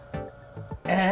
ええ！